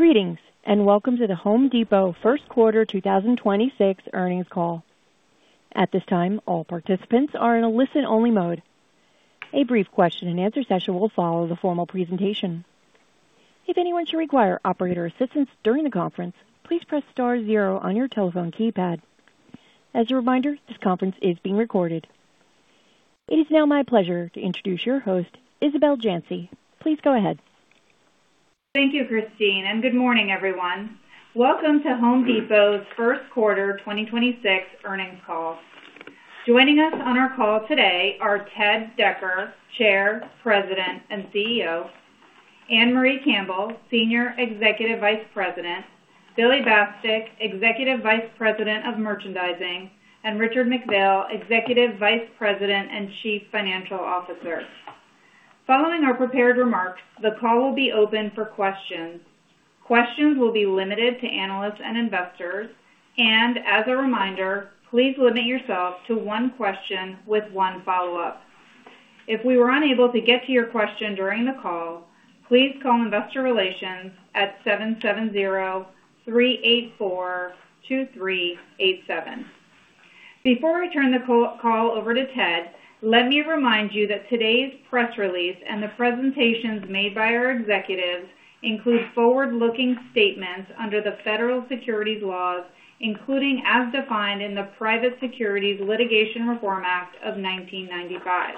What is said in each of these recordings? Greetings, welcome to The Home Depot first quarter 2026 earnings call. At this time, all participants are in a listen-only mode. A brief question-and-answer session will follow the formal presentation. If anyone should require operator assistance during the conference, please press star zero on your telephone keypad. As a reminder, this conference is being recorded. It is now my pleasure to introduce your host, Isabel Janci. Please go ahead. Thank you, Christine, good morning, everyone. Welcome to Home Depot's first quarter 2026 earnings call. Joining us on our call today are Ted Decker, Chair, President, and CEO, Ann-Marie Campbell, Senior Executive Vice President, Billy Bastek, Executive Vice President of Merchandising, and Richard McPhail, Executive Vice President and Chief Financial Officer. Following our prepared remarks, the call will be open for questions. Questions will be limited to analysts and investors. As a reminder, please limit yourself to one question with one follow-up. If we were unable to get to your question during the call, please call investor relations at 770-384-2387. Before I turn the call over to Ted, let me remind you that today's press release and the presentations made by our executives include forward-looking statements under the federal securities laws, including as defined in the Private Securities Litigation Reform Act of 1995.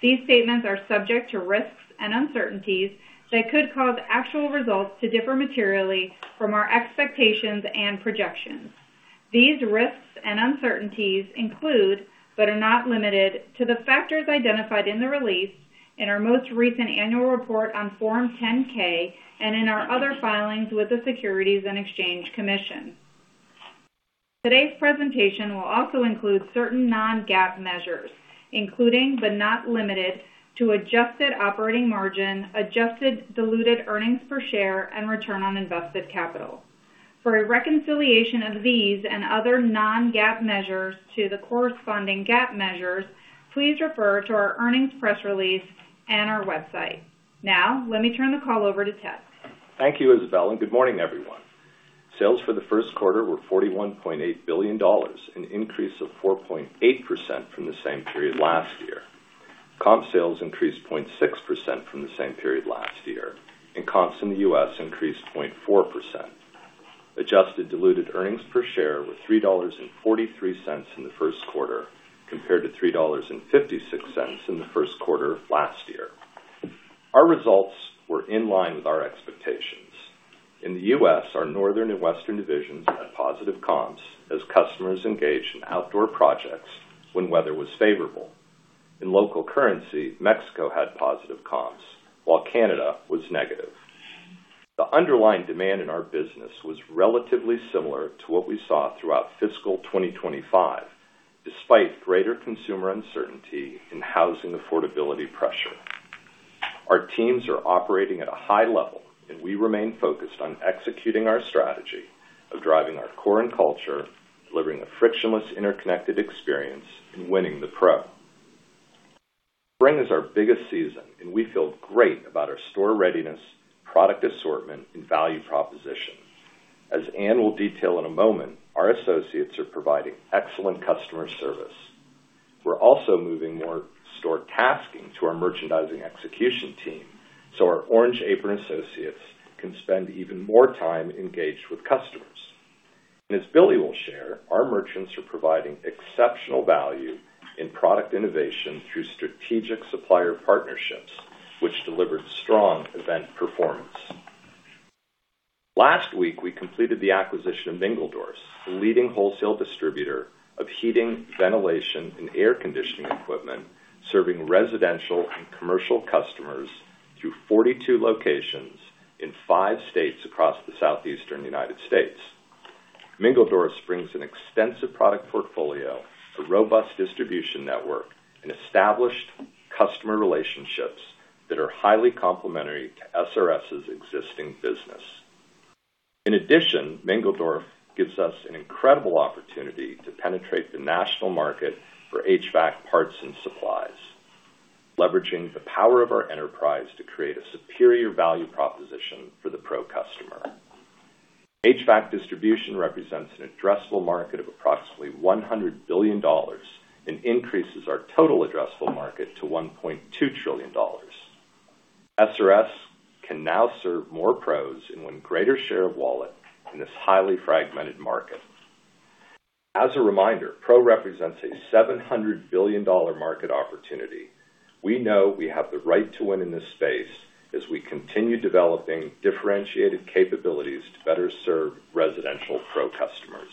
These statements are subject to risks and uncertainties that could cause actual results to differ materially from our expectations and projections. These risks and uncertainties include, but are not limited to the factors identified in the release in our most recent annual report on Form 10-K and in our other filings with the Securities and Exchange Commission. Today's presentation will also include certain non-GAAP measures, including but not limited to adjusted operating margin, adjusted diluted earnings per share, and return on invested capital. For a reconciliation of these and other non-GAAP measures to the corresponding GAAP measures, please refer to our earnings press release and our website. Let me turn the call over to Ted. Thank you, Isabel, and good morning, everyone. Sales for the first quarter were $41.8 billion, an increase of 4.8% from the same period last year. Comp sales increased 0.6% from the same period last year, and comps in the U.S. increased 0.4%. Adjusted diluted earnings per share were $3.43 in the first quarter compared to $3.56 in the first quarter of last year. Our results were in line with our expectations. In the U.S., our Northern and Western divisions had positive comps as customers engaged in outdoor projects when weather was favorable. In local currency, Mexico had positive comps, while Canada was negative. The underlying demand in our business was relatively similar to what we saw throughout fiscal 2025, despite greater consumer uncertainty and housing affordability pressure. Our teams are operating at a high level, we remain focused on executing our strategy of driving our core and culture, delivering a frictionless, interconnected experience, and winning the Pro. Spring is our biggest season, we feel great about our store readiness, product assortment, and value proposition. As Ann-Marie will detail in a moment, our associates are providing excellent customer service. We're also moving more store tasking to our Merchandising Execution Team, our Orange Apron associates can spend even more time engaged with customers. As Billy Bastek will share, our merchants are providing exceptional value in product innovation through strategic supplier partnerships, which delivered strong event performance. Last week, we completed the acquisition of Mingledorff's, the leading wholesale distributor of heating, ventilation, and air conditioning equipment, serving residential and commercial customers through 42 locations in five states across the Southeastern U.S. Mingledorff's brings an extensive product portfolio, a robust distribution network, and established customer relationships that are highly complementary to SRS's existing business. In addition, Mingledorff gives us an incredible opportunity to penetrate the national market for HVAC parts and supplies, leveraging the power of our enterprise to create a superior value proposition for the pro customer. HVAC distribution represents an addressable market of approximately $100 billion and increases our total addressable market to $1.2 trillion. SRS can now serve more pros and win greater share of wallet in this highly fragmented market. As a reminder, pro represents a $700 billion market opportunity. We know we have the right to win in this space as we continue developing differentiated capabilities to better serve residential pro customers.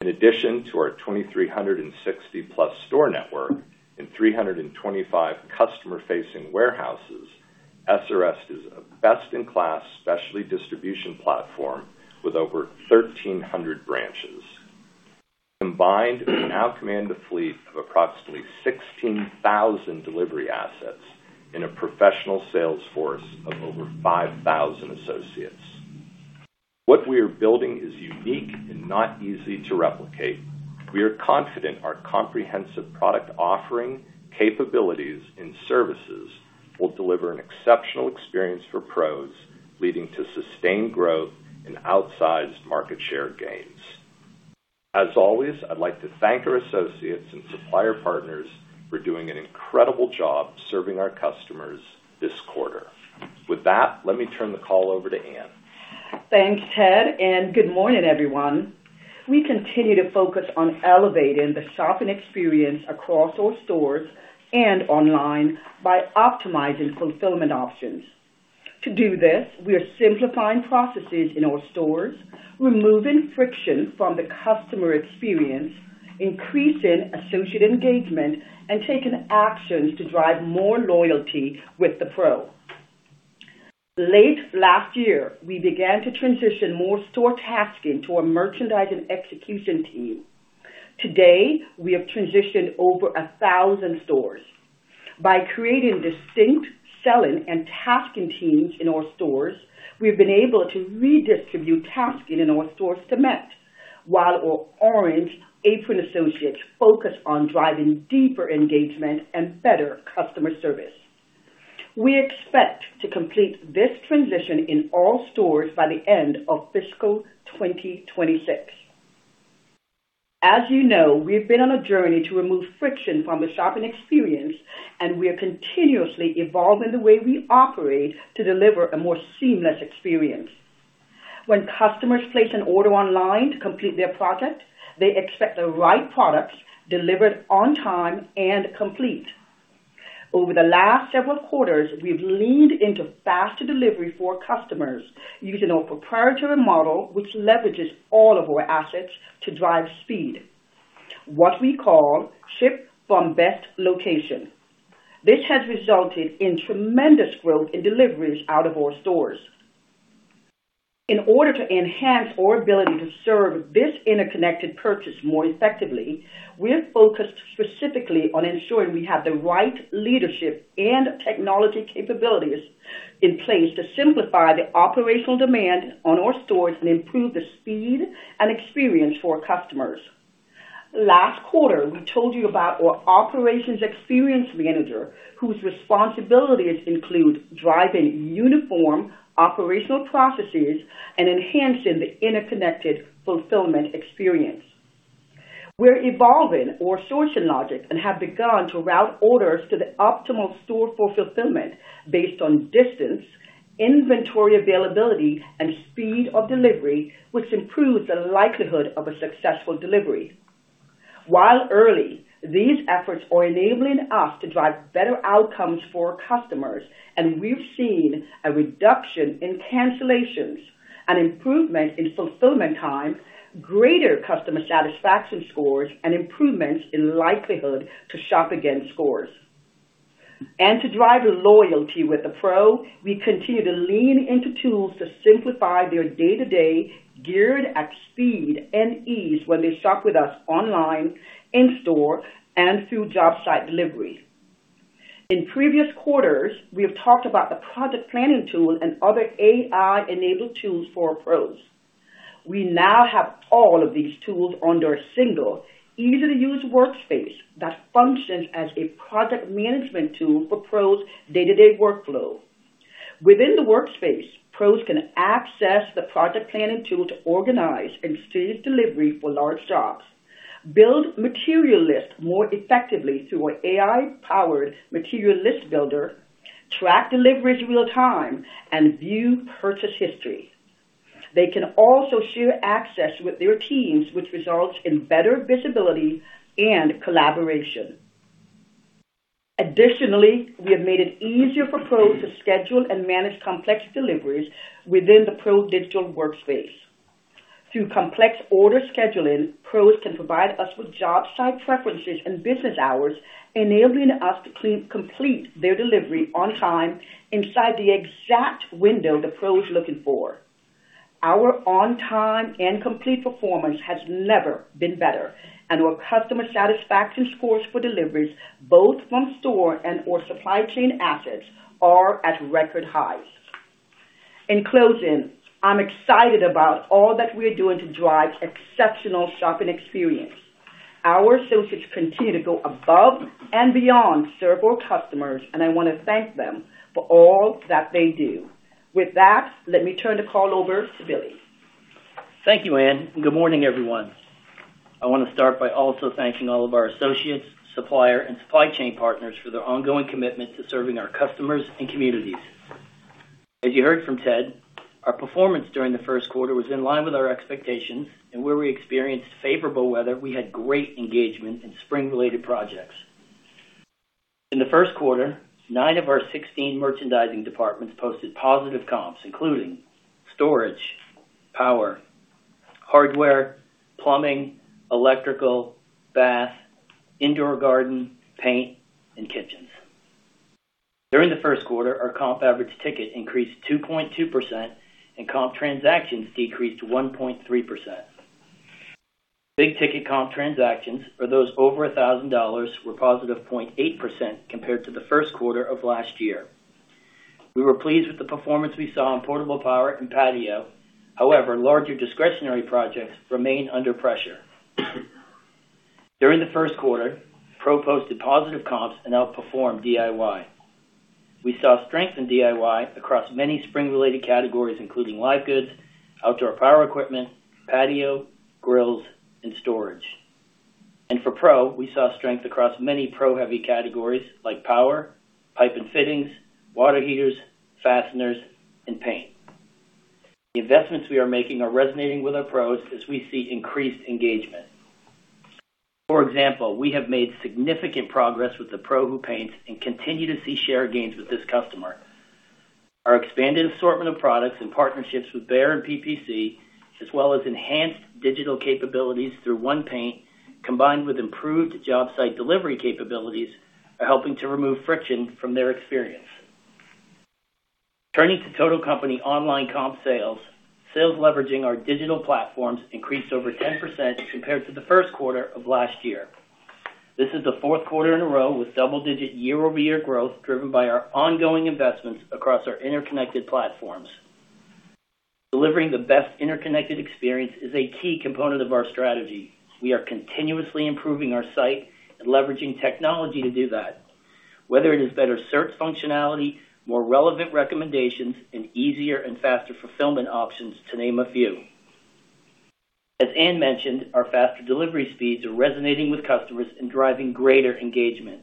In addition to our 2,360-plus store network and 325 customer-facing warehouses, SRS is a best-in-class specialty distribution platform with over 1,300 branches. Combined, we now command a fleet of approximately 16,000 delivery assets in a professional sales force of over 5,000 associates. What we are building is unique and not easy to replicate. We are confident our comprehensive product offering, capabilities and services will deliver an exceptional experience for pros, leading to sustained growth and outsized market share gains. As always, I'd like to thank our associates and supplier partners for doing an incredible job serving our customers this quarter. With that, let me turn the call over to Ann-Marie. Thanks, Ted. Good morning, everyone. We continue to focus on elevating the shopping experience across all stores and online by optimizing fulfillment options. To do this, we are simplifying processes in our stores, removing friction from the customer experience, increasing associate engagement, and taking actions to drive more loyalty with the Pro. Late last year, we began to transition more store tasking to our Merchandise and Execution Team. Today, we have transitioned over 1,000 stores. By creating distinct selling and tasking teams in our stores, we've been able to redistribute tasking in our store segment while our Orange Apron associates focus on driving deeper engagement and better customer service. We expect to complete this transition in all stores by the end of fiscal 2026. As you know, we've been on a journey to remove friction from the shopping experience, and we are continuously evolving the way we operate to deliver a more seamless experience. When customers place an order online to complete their project, they expect the right products delivered on time and complete. Over the last several quarters, we've leaned into faster delivery for customers using our proprietary model, which leverages all of our assets to drive speed, what we call ship from best location. This has resulted in tremendous growth in deliveries out of our stores. In order to enhance our ability to serve this interconnected purchase more effectively, we're focused specifically on ensuring we have the right leadership and technology capabilities in place to simplify the operational demand on our stores and improve the speed and experience for our customers. Last quarter, we told you about our Operations Experience Manager, whose responsibilities include driving uniform operational processes and enhancing the interconnected fulfillment experience. We're evolving our sourcing logic and have begun to route orders to the optimal store for fulfillment based on distance, inventory availability, and speed of delivery, which improves the likelihood of a successful delivery. While early, these efforts are enabling us to drive better outcomes for customers, and we've seen a reduction in cancellations, an improvement in fulfillment time, greater customer satisfaction scores, and improvements in likelihood to shop again scores. To drive loyalty with the pro, we continue to lean into tools to simplify their day-to-day, geared at speed and ease when they shop with us online, in store, and through job site delivery. In previous quarters, we have talked about the project planning tool and other AI-enabled tools for pros. We now have all of these tools under a single easy-to-use workspace that functions as a project management tool for Pros' day-to-day workflow. Within the workspace, Pros can access the project planning tool to organize and stage delivery for large jobs, build material lists more effectively through our AI-powered material list builder, track deliveries real time, and view purchase history. They can also share access with their teams, which results in better visibility and collaboration. Additionally, we have made it easier for Pros to schedule and manage complex deliveries within the Pro digital workspace. Through complex order scheduling, Pros can provide us with job site preferences and business hours, enabling us to complete their delivery on time inside the exact window the Pro is looking for. Our on-time and complete performance has never been better, and our customer satisfaction scores for deliveries, both from store and our supply chain assets, are at record highs. In closing, I'm excited about all that we're doing to drive exceptional shopping experience. Our associates continue to go above and beyond to serve our customers, and I wanna thank them for all that they do. With that, let me turn the call over to Billy. Thank you, Ann-Marie, good morning, everyone. I wanna start by also thanking all of our associates, supplier, and supply chain partners for their ongoing commitment to serving our customers and communities. As you heard from Ted, our performance during the first quarter was in line with our expectations and where we experienced favorable weather, we had great engagement in spring-related projects. In the first quarter, nine of our 16 merchandising departments posted positive comps, including storage, power, hardware, plumbing, electrical, bath, indoor garden, paint, and kitchens. During the first quarter, our comp average ticket increased 2.2% and comp transactions decreased 1.3%. Big-ticket comp transactions for those over $1,000 were positive 0.8% compared to the first quarter of last year. We were pleased with the performance we saw in portable power and patio. However, larger discretionary projects remain under pressure. During the first quarter, pro posted positive comps and outperformed DIY. We saw strength in DIY across many spring-related categories, including live goods, outdoor power equipment, patio, grills, and storage. For pro, we saw strength across many pro heavy categories like power, pipe and fittings, water heaters, fasteners, and paint. The investments we are making are resonating with our pros as we see increased engagement. For example, we have made significant progress with the pro who paints and continue to see share gains with this customer. Our expanded assortment of products and partnerships with Behr and PPG, as well as enhanced digital capabilities through One Paint, combined with improved job site delivery capabilities, are helping to remove friction from their experience. Turning to total company online comp sales. Sales leveraging our digital platforms increased over 10% compared to the first quarter of last year. This is the fourth quarter in a row with double-digit year-over-year growth, driven by our ongoing investments across our interconnected platforms. Delivering the best interconnected experience is a key component of our strategy. We are continuously improving our site and leveraging technology to do that. Whether it is better search functionality, more relevant recommendations, and easier and faster fulfillment options to name a few. As Anne mentioned, our faster delivery speeds are resonating with customers and driving greater engagement.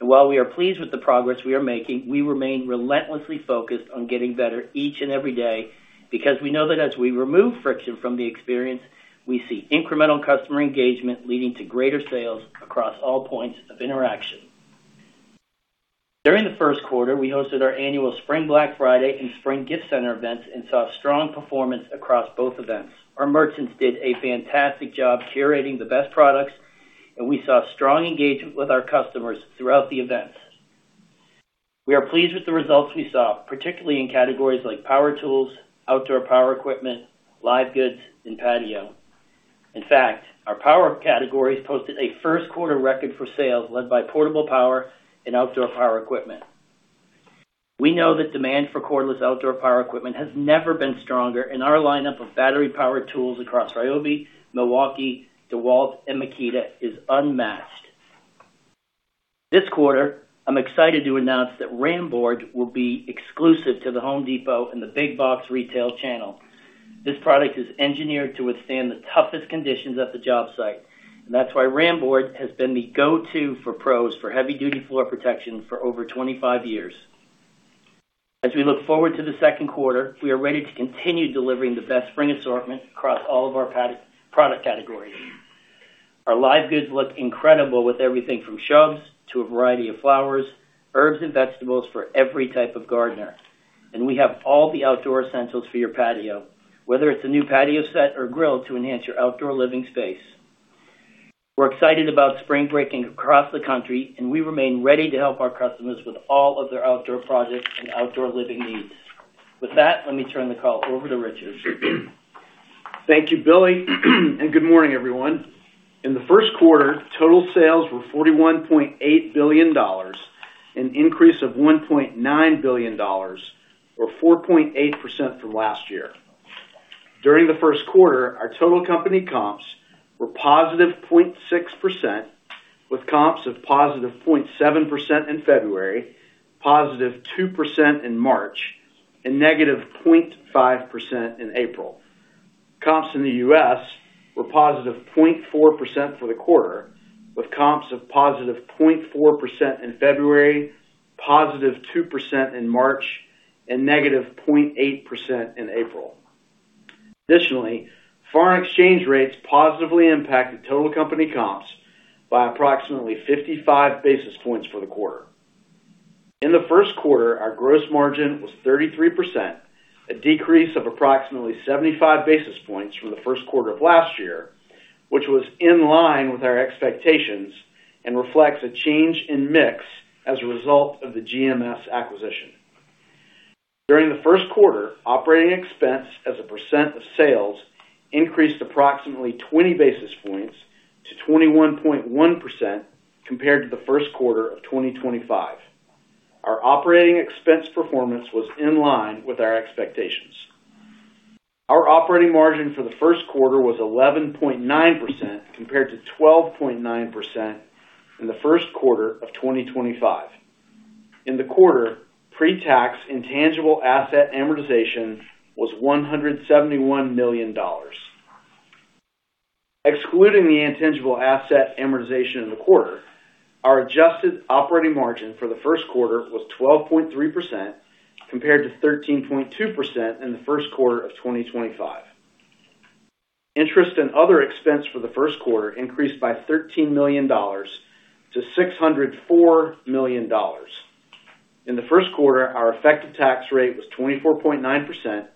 While we are pleased with the progress we are making, we remain relentlessly focused on getting better each and every day because we know that as we remove friction from the experience, we see incremental customer engagement leading to greater sales across all points of interaction. During the first quarter, we hosted our annual Spring Black Friday and Spring Gift Center events and saw strong performance across both events. Our merchants did a fantastic job curating the best products, and we saw strong engagement with our customers throughout the events. We are pleased with the results we saw, particularly in categories like power tools, outdoor power equipment, live goods, and patio. In fact, our power categories posted a first quarter record for sales led by portable power and outdoor power equipment. We know that demand for cordless outdoor power equipment has never been stronger, and our lineup of battery power tools across RYOBI, Milwaukee, DeWalt, and Makita is unmatched. This quarter, I'm excited to announce that Ram Board will be exclusive to The Home Depot in the big box retail channel. This product is engineered to withstand the toughest conditions at the job site, and that's why Ram Board has been the go-to for pros for heavy-duty floor protection for over 25 years. As we look forward to the second quarter, we are ready to continue delivering the best spring assortment across all of our product categories. Our live goods look incredible with everything from shrubs to a variety of flowers, herbs, and vegetables for every type of gardener. We have all the outdoor essentials for your patio, whether it's a new patio set or grill to enhance your outdoor living space. We're excited about spring breaking across the country, and we remain ready to help our customers with all of their outdoor projects and outdoor living needs. With that, let me turn the call over to Richard. Thank you, Billy. Good morning, everyone. In the first quarter, total sales were $41.8 billion, an increase of $1.9 billion or 4.8% from last year. During the first quarter, our total company comps were positive 0.6%, with comps of positive 0.7% in February, positive 2% in March, and negative 0.5% in April. Comps in the U.S. were positive 0.4% for the quarter, with comps of positive 0.4% in February, positive 2% in March, and negative 0.8% in April. Additionally, foreign exchange rates positively impacted total company comps by approximately 55 basis points for the quarter. In the first quarter, our gross margin was 33%, a decrease of approximately 75 basis points from the first quarter of last year, which was in line with our expectations and reflects a change in mix as a result of the GMS acquisition. During the first quarter, operating expense as a percent of sales increased approximately 20 basis points to 21.1% compared to the first quarter of 2025. Our operating expense performance was in line with our expectations. Our operating margin for the first quarter was 11.9% compared to 12.9% in the first quarter of 2025. In the quarter, pre-tax intangible asset amortization was $171 million. Excluding the intangible asset amortization in the quarter, our adjusted operating margin for the first quarter was 12.3% compared to 13.2% in the first quarter of 2025. Interest and other expense for the first quarter increased by $13 million to $604 million. In the first quarter, our effective tax rate was 24.9%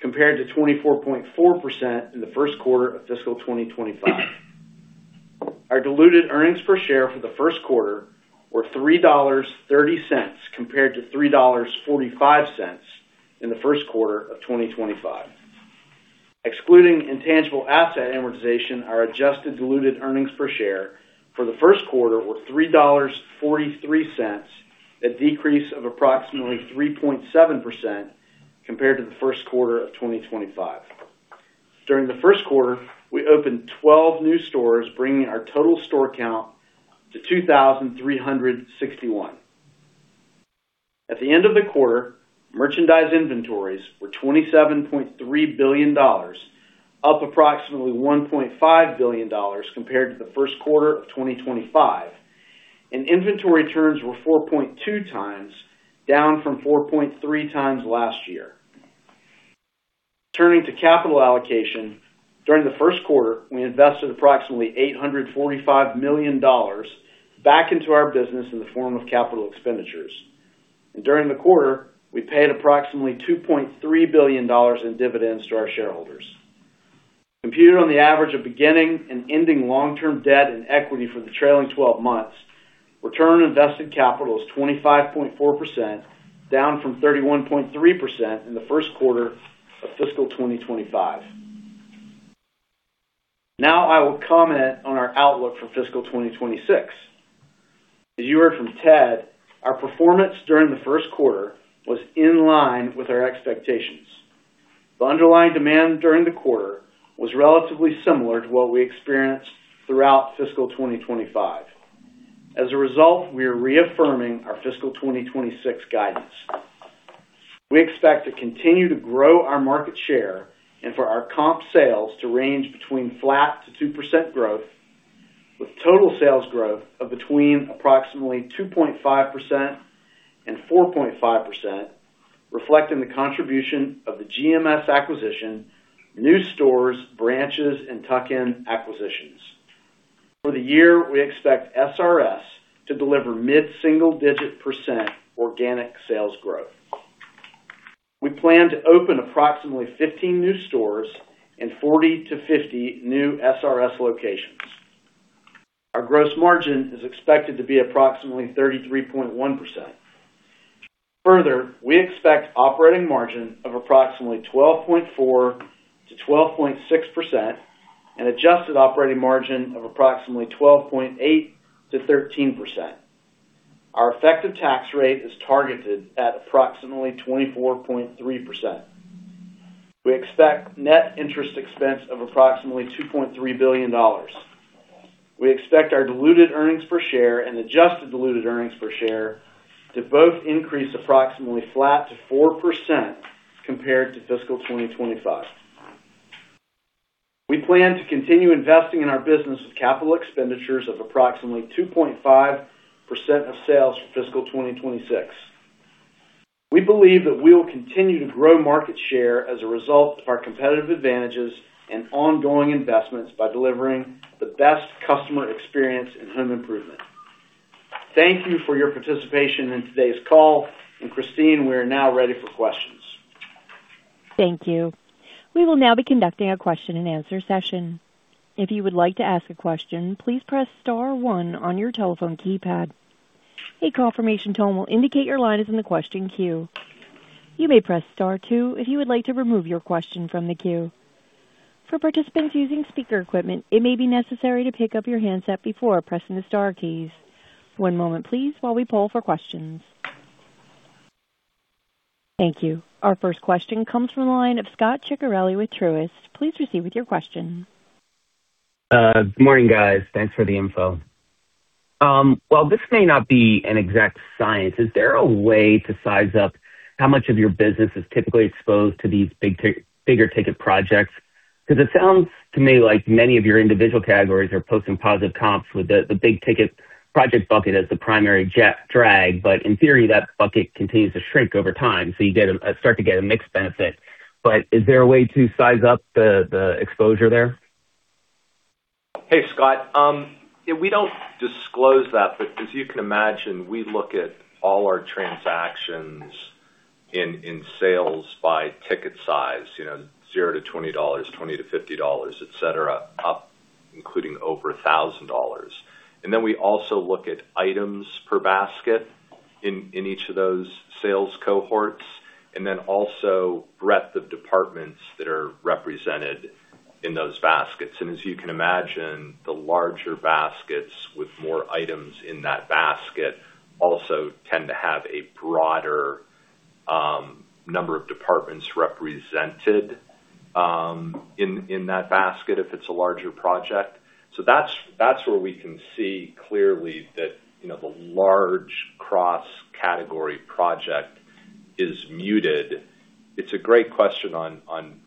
compared to 24.4% in the first quarter of fiscal 2025. Our diluted earnings per share for the first quarter were $3.30 compared to $3.45 in the first quarter of 2025. Excluding intangible asset amortization, our adjusted diluted earnings per share for the first quarter were $3.43, a decrease of approximately 3.7% compared to the first quarter of 2025. During the first quarter, we opened 12 new stores, bringing our total store count to 2,361. At the end of the quarter, merchandise inventories were $27.3 billion, up approximately $1.5 billion compared to the first quarter of 2025, and inventory turns were 4.2 times, down from 4.3 times last year. Turning to capital allocation. During the first quarter, we invested approximately $845 million back into our business in the form of capital expenditures. During the quarter, we paid approximately $2.3 billion in dividends to our shareholders. Computed on the average of beginning and ending long-term debt and equity for the trailing 12 months, return on invested capital is 25.4%, down from 31.3% in the first quarter of fiscal 2025. Now, I will comment on our outlook for fiscal 2026. As you heard from Ted, our performance during the 1st quarter was in line with our expectations. The underlying demand during the quarter was relatively similar to what we experienced throughout fiscal 2025. As a result, we are reaffirming our fiscal 2026 guidance. We expect to continue to grow our market share and for our comp sales to range between flat to 2% growth, with total sales growth of between approximately 2.5% and 4.5%, reflecting the contribution of the GMS acquisition, new stores, branches and tuck-in acquisitions. For the year, we expect SRS to deliver mid-single-digit % organic sales growth. We plan to open approximately 15 new stores and 40 to 50 new SRS locations. Our gross margin is expected to be approximately 33.1%. Further, we expect operating margin of approximately 12.4%-12.6% and adjusted operating margin of approximately 12.8%-13%. Our effective tax rate is targeted at approximately 24.3%. We expect net interest expense of approximately $2.3 billion. We expect our diluted earnings per share and adjusted diluted earnings per share to both increase approximately flat to 4% compared to fiscal 2025. We plan to continue investing in our business with capital expenditures of approximately 2.5% of sales for fiscal 2026. We believe that we will continue to grow market share as a result of our competitive advantages and ongoing investments by delivering the best customer experience in home improvement. Thank you for your participation in today's call. Christine, we are now ready for questions. Thank you. We will now be conducting a question-and-answer session. If you would like to ask a question, please press star one on your telephone keypad. A confirmation tone will indicate your line is in the question queue. You may press star two if you would like to remove your question from the queue. For participants using speaker equipment, it may be necessary to pick up your handset before pressing the star keys. One moment please while we poll for questions. Thank you. Our first question comes from the line of Scot Ciccarelli with Truist. Please proceed with your question. Good morning, guys. Thanks for the info. While this may not be an exact science, is there a way to size up how much of your business is typically exposed to these bigger ticket projects? It sounds to me like many of your individual categories are posting positive comps with the big ticket project bucket as the primary jet drag, but in theory, that bucket continues to shrink over time, so you start to get a mixed benefit. Is there a way to size up the exposure there? Hey, Scot. Yeah, we don't disclose that, but as you can imagine, we look at all our transactions in sales by ticket size, you know, 0-$20, $20-$50, et cetera, up including over $1,000. Then we also look at items per basket in each of those sales cohorts, then also breadth of departments that are represented in those baskets. As you can imagine, the larger baskets with more items in that basket also tend to have a broader number of departments represented in that basket if it's a larger project. That's where we can see clearly that, you know, the large cross-category project is muted. It's a great question on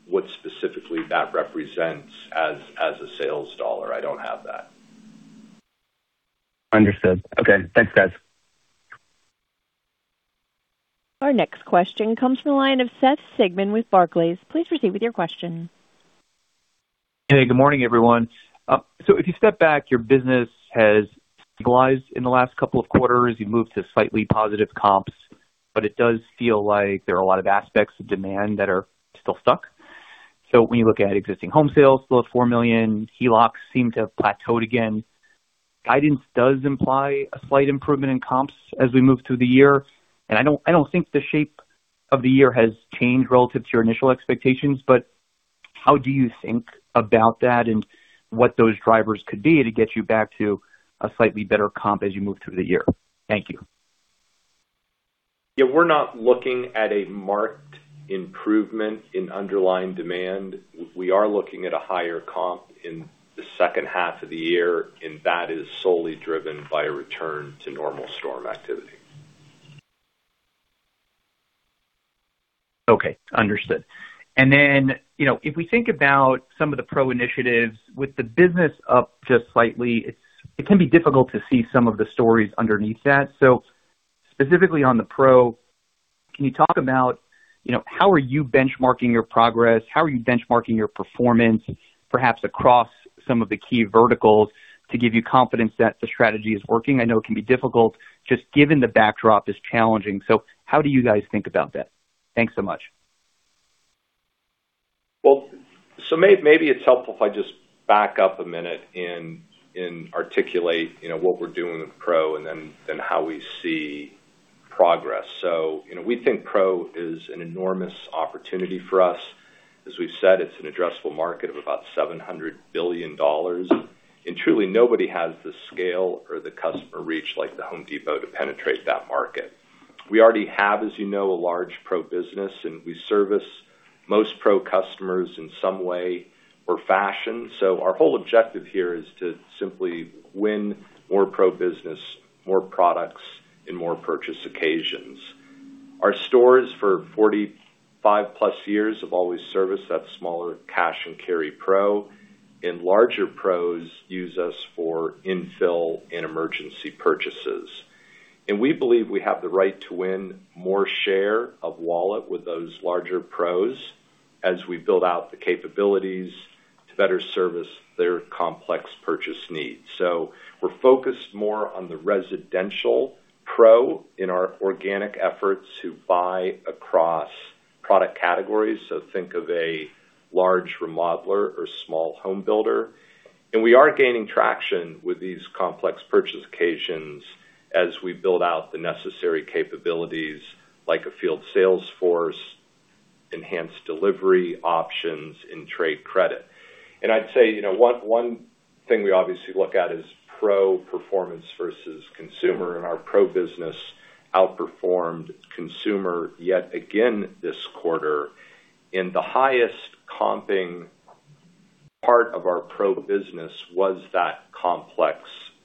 what specifically that represents as a sales dollar. I don't have that. Understood. Okay. Thanks, guys. Our next question comes from the line of Seth Sigman with Barclays. Please proceed with your question. Hey, good morning, everyone. If you step back, your business has stabilized in the last couple of quarters. You've moved to slightly positive comps, but it does feel like there are a lot of aspects of demand that are still stuck. When you look at existing home sales, those 4 million HELOCs seem to have plateaued again. Guidance does imply a slight improvement in comps as we move through the year. I don't think the shape of the year has changed relative to your initial expectations, but how do you think about that and what those drivers could be to get you back to a slightly better comp as you move through the year? Thank you. Yeah, we are not looking at a marked improvement in underlying demand. We are looking at a higher comp in the second half of the year, and that is solely driven by a return to normal storm activity. Okay, understood. You know, if we think about some of the Pro initiatives with the business up just slightly, it can be difficult to see some of the stories underneath that. Specifically on the Pro, can you talk about, you know, how are you benchmarking your progress? How are you benchmarking your performance, perhaps across some of the key verticals to give you confidence that the strategy is working? I know it can be difficult just given the backdrop is challenging. How do you guys think about that? Thanks so much. Maybe it's helpful if I just back up a minute and articulate, you know, what we're doing with Pro and then how we see progress. You know, we think Pro is an enormous opportunity for us. As we've said, it's an addressable market of about $700 billion. Truly, nobody has the scale or the customer reach like The Home Depot to penetrate that market. We already have, as you know, a large Pro business, and we service most Pro customers in some way or fashion. Our whole objective here is to simply win more Pro business, more products, and more purchase occasions. Our stores for 45+ years have always serviced that smaller cash and carry Pro, and larger Pros use us for infill and emergency purchases. We believe we have the right to win more share of wallet with those larger pros as we build out the capabilities to better service their complex purchase needs. We're focused more on the residential pro in our organic efforts who buy across product categories. Think of a large remodeler or small home builder. We are gaining traction with these complex purchase occasions as we build out the necessary capabilities like a field sales force, enhanced delivery options, and trade credit. I'd say, you know, one thing we obviously look at is pro performance versus consumer. Our pro business outperformed consumer yet again this quarter. The highest comping part of our pro business was that complex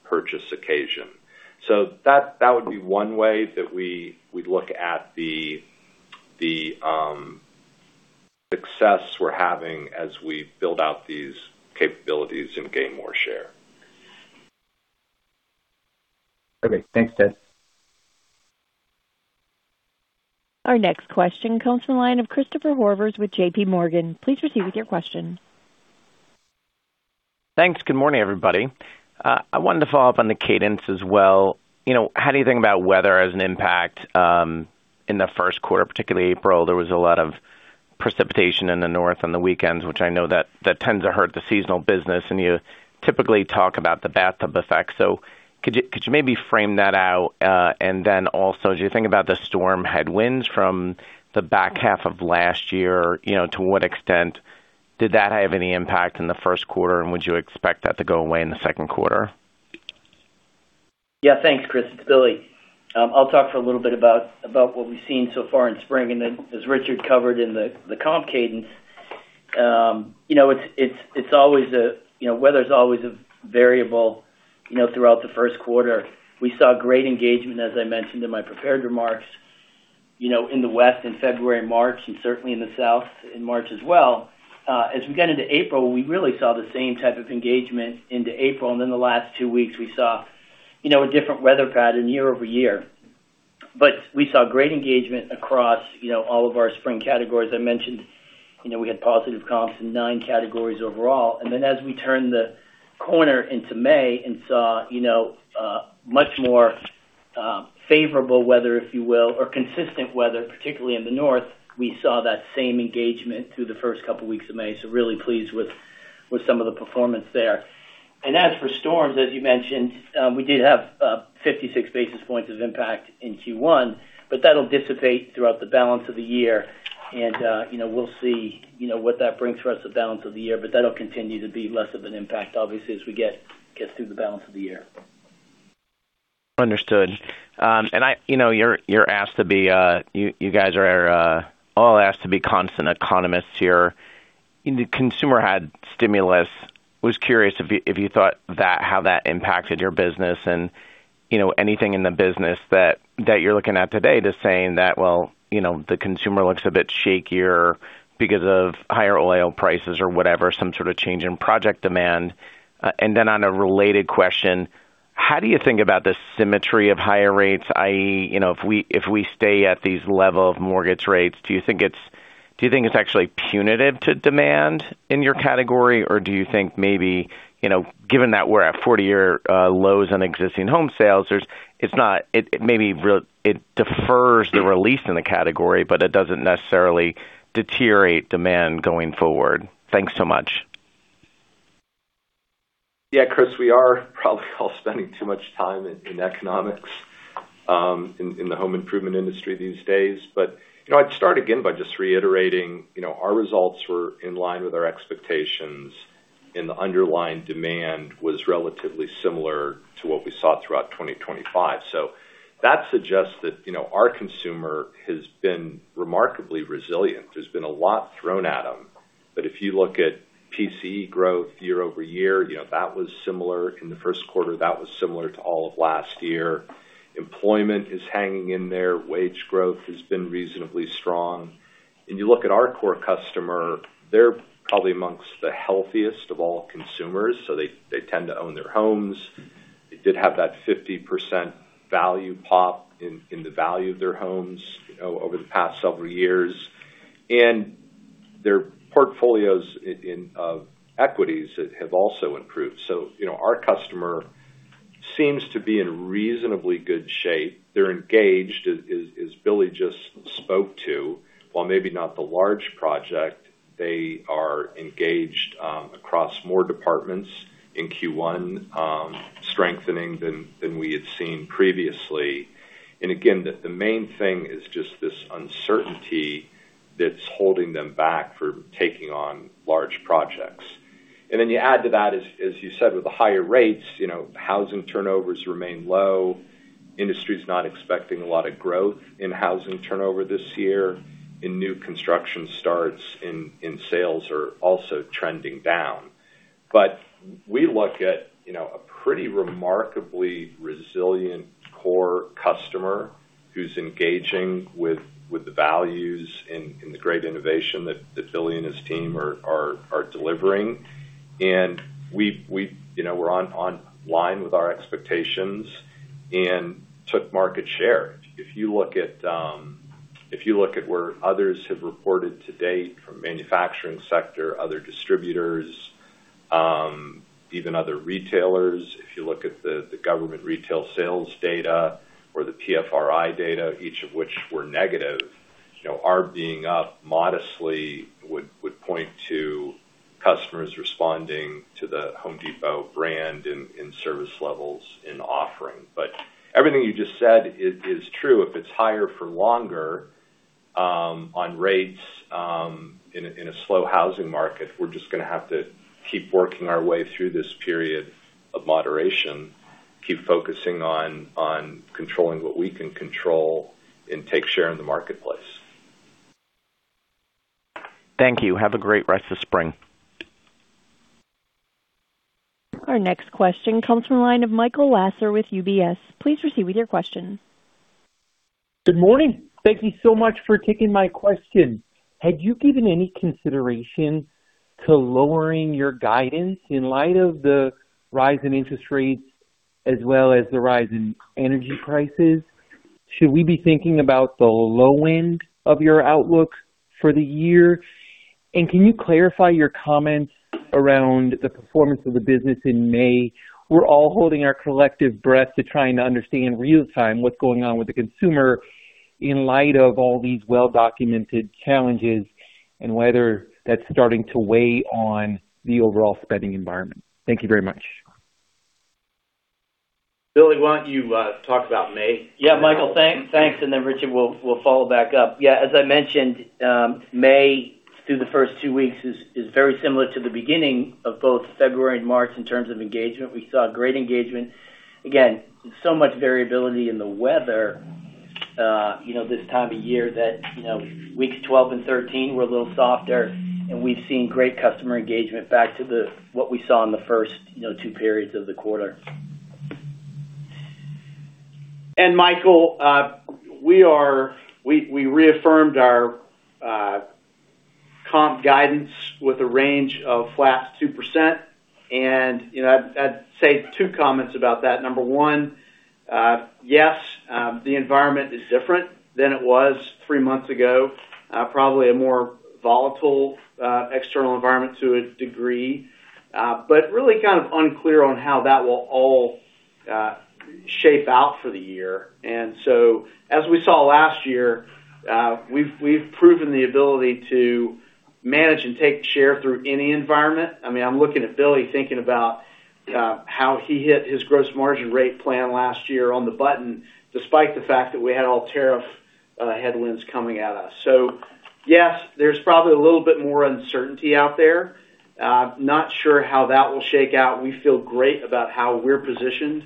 purchase occasion. That would be one way that we look at the success we're having as we build out these capabilities and gain more share. Okay, thanks, Ted. Our next question comes from the line of Christopher Horvers with J.P. Morgan. Please proceed with your question. Thanks. Good morning, everybody. I wanted to follow up on the cadence as well. You know, how do you think about weather as an impact in the first quarter, particularly April, there was a lot of precipitation in the north on the weekends, which I know that tends to hurt the seasonal business, and you typically talk about the bathtub effect. Could you maybe frame that out? Also, as you think about the storm headwinds from the back half of last year, you know, to what extent did that have any impact in the first quarter, and would you expect that to go away in the second quarter? Yeah. Thanks, Christopher Horvers. It's Billy Bastek. I'll talk for a little bit about what we've seen so far in spring. As Richard McPhail covered in the comp cadence, you know, it's always a, you know, weather's always a variable, you know, throughout the first quarter. We saw great engagement, as I mentioned in my prepared remarks, you know, in the west in February and March, and certainly in the south in March as well. As we got into April, we really saw the same type of engagement into April, and in the last two weeks we saw, you know, a different weather pattern year-over-year. We saw great engagement across, you know, all of our spring categories. I mentioned, you know, we had positive comps in nine categories overall. As we turned the corner into May and saw, you know, much more favorable weather, if you will, or consistent weather, particularly in the north, we saw that same engagement through the first couple weeks of May. Really pleased with some of the performance there. As for storms, as you mentioned, we did have 56 basis points of impact in Q1, but that'll dissipate throughout the balance of the year. You know, we'll see, you know, what that brings for us the balance of the year, but that'll continue to be less of an impact obviously, as we get through the balance of the year. Understood. I You know, you're asked to be, you guys are, all asked to be constant economists here. The consumer had stimulus. Was curious if you thought how that impacted your business and, you know, anything in the business that you're looking at today that's saying that, well, you know, the consumer looks a bit shakier because of higher oil prices or whatever, some sort of change in project demand? On a related question, how do you think about the symmetry of higher rates, i.e., you know, if we stay at these level of mortgage rates, do you think it's actually punitive to demand in your category, or do you think maybe, you know, given that we're at 40-year lows on existing home sales, it defers the release in the category, but it doesn't necessarily deteriorate demand going forward. Thanks so much. Yeah, Christopher, we are probably all spending too much time in economics in the home improvement industry these days. You know, I'd start again by just reiterating, you know, our results were in line with our expectations, and the underlying demand was relatively similar to what we saw throughout 2025. That suggests that, you know, our consumer has been remarkably resilient. There's been a lot thrown at them. If you look at PCE growth year-over-year, you know, that was similar. In the first quarter, that was similar to all of last year. Employment is hanging in there. Wage growth has been reasonably strong. You look at our core customer, they're probably amongst the healthiest of all consumers, so they tend to own their homes. They did have that 50% value pop in the value of their homes, you know, over the past several years. Their portfolios in equities have also improved. You know, our customer seems to be in reasonably good shape. They're engaged, as Billy Bastek just spoke to. While maybe not the large project, they are engaged across more departments in Q1, strengthening than we had seen previously. Again, the main thing is just this uncertainty that's holding them back for taking on large projects. Then you add to that, as you said, with the higher rates, you know, housing turnovers remain low. Industry's not expecting a lot of growth in housing turnover this year, and new construction starts and sales are also trending down. We look at, you know, a pretty remarkably resilient core customer who's engaging with the values and the great innovation that Billy Bastek and his team are delivering. You know, we're on line with our expectations and took market share. If you look at, if you look at where others have reported to date from manufacturing sector, other distributors, even other retailers, if you look at the government retail sales data or the PFRI data, each of which were negative, you know, our being up modestly would point to customers responding to The Home Depot brand in service levels, in offering. Everything you just said is true. If it's higher for longer, on rates, in a slow housing market, we're just gonna have to keep working our way through this period of moderation, keep focusing on controlling what we can control and take share in the marketplace. Thank you. Have a great rest of spring. Our next question comes from the line of Michael Lasser with UBS. Please proceed with your question. Good morning. Thank you so much for taking my question. Had you given any consideration to lowering your guidance in light of the rise in interest rates as well as the rise in energy prices? Should we be thinking about the low end of your outlook for the year? Can you clarify your comments around the performance of the business in May? We're all holding our collective breath to trying to understand real time what's going on with the consumer in light of all these well-documented challenges and whether that's starting to weigh on the overall spending environment. Thank you very much. Billy, why don't you talk about May? Yeah, Michael. Thanks. Thanks. Then Richard will follow back up. Yeah, as I mentioned, May through the first two weeks is very similar to the beginning of both February and March in terms of engagement. We saw great engagement. So much variability in the weather, you know, this time of year that, you know, weeks 12 and 13 were a little softer. We've seen great customer engagement back to what we saw in the first, you know, two periods of the quarter. Michael, we reaffirmed our comp guidance with a range of flat-2%. You know, I'd say two comments about that. Number one, yes, the environment is different than it was three months ago. Probably a more volatile external environment to a degree, but really kind of unclear on how that will all shape out for the year. As we saw last year, we've proven the ability to manage and take share through any environment. I mean, I'm looking at Billy Bastek thinking about how he hit his gross margin rate plan last year on the button, despite the fact that we had all tariff headwinds coming at us. Yes, there's probably a little bit more uncertainty out there. Not sure how that will shake out. We feel great about how we're positioned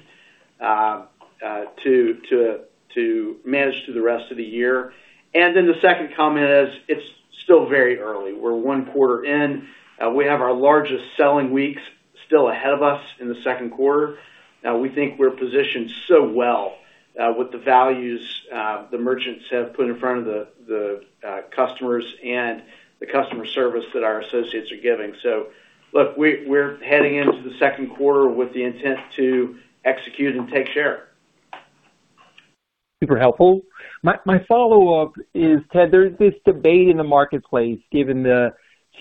to manage through the rest of the year. The second comment is it's still very early. We're one quarter in. We have our largest selling weeks still ahead of us in the second quarter. We think we're positioned so well with the values the merchants have put in front of the customers and the customer service that our associates are giving. Look, we're heading into the second quarter with the intent to execute and take share. Super helpful. My follow-up is, Ted, there's this debate in the marketplace, given the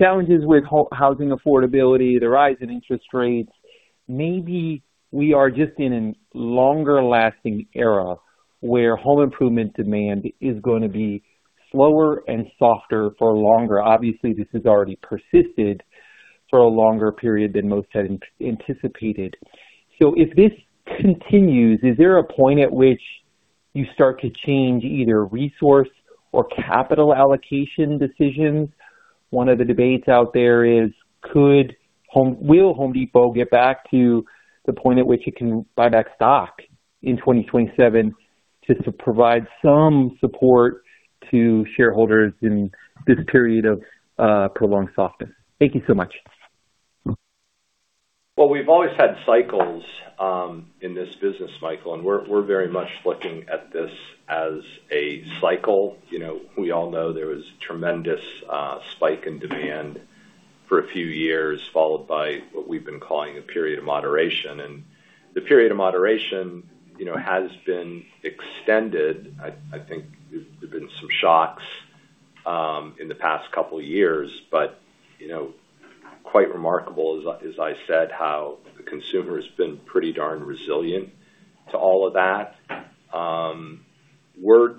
challenges with housing affordability, the rise in interest rates. Maybe we are just in a longer-lasting era where home improvement demand is gonna be slower and softer for longer. Obviously, this has already persisted for a longer period than most had anticipated. If this continues, is there a point at which you start to change either resource or capital allocation decisions? One of the debates out there is could Home will The Home Depot get back to the point at which it can buy back stock in 2027 just to provide some support to shareholders in this period of prolonged softness? Thank you so much. Well, we've always had cycles in this business, Michael, and we're very much looking at this as a cycle. You know, we all know there was a tremendous spike in demand for a few years, followed by what we've been calling a period of moderation. The period of moderation, you know, has been extended. I think there've been some shocks in the past couple of years. You know, quite remarkable, as I said, how the consumer has been pretty darn resilient to all of that.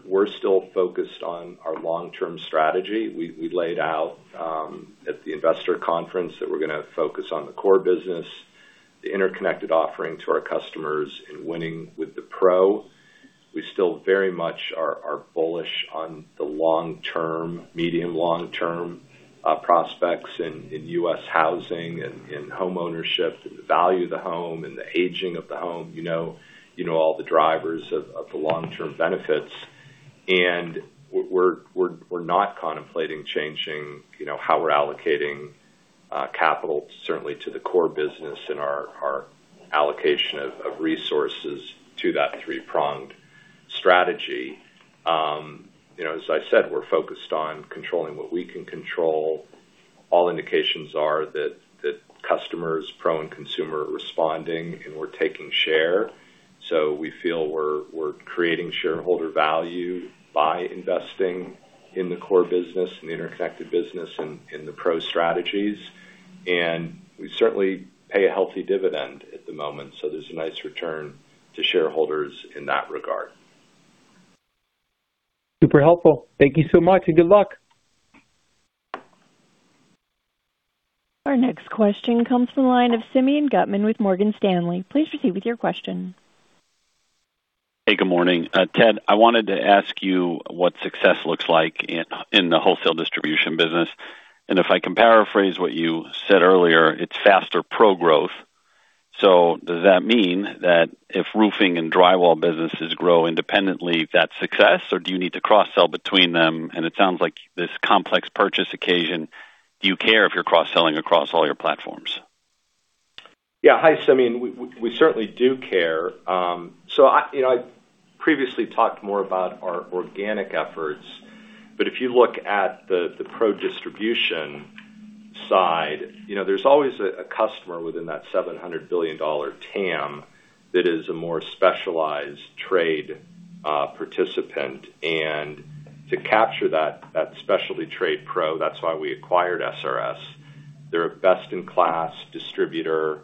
We're still focused on our long-term strategy. We laid out at the investor conference that we're gonna focus on the core business, the interconnected offering to our customers, and winning with the pro. We still very much are bullish on the long-term, medium, long-term prospects in U.S. housing and homeownership, and the value of the home, and the aging of the home. You know all the drivers of the long-term benefits. We're not contemplating changing, you know, how we're allocating capital, certainly to the core business and our allocation of resources to that three-pronged strategy. You know, as I said, we're focused on controlling what we can control. All indications are that the customers, pro, and consumer are responding, and we're taking share. We feel we're creating shareholder value by investing in the core business and the interconnected business and in the pro strategies. We certainly pay a healthy dividend at the moment, so there's a nice return to shareholders in that regard. Super helpful. Thank you so much, and good luck. Our next question comes from the line of Simeon Gutman with Morgan Stanley. Please proceed with your question. Hey, good morning. Ted, I wanted to ask you what success looks like in the wholesale distribution business. If I can paraphrase what you said earlier, it's faster pro growth. Does that mean that if roofing and drywall businesses grow independently, that's success? Or do you need to cross-sell between them? It sounds like this complex purchase occasion, do you care if you're cross-selling across all your platforms? Yeah. Hi, Simeon. We certainly do care. You know, I previously talked more about our organic efforts, but if you look at the pro distribution side, you know, there's always a customer within that $700 billion TAM that is a more specialized trade participant. To capture that specialty trade pro, that's why we acquired SRS. They're a best-in-class distributor,